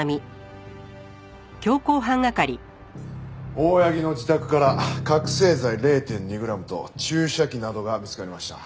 大八木の自宅から覚醒剤０．２グラムと注射器などが見つかりました。